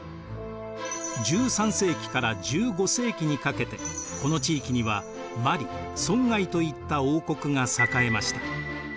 １３世紀から１５世紀にかけてこの地域にはマリソンガイといった王国が栄えました。